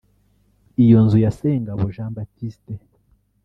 Iyo nzu ya Sengabo Jean Baptiste